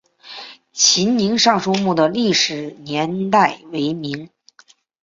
泰宁尚书墓的历史年代为明。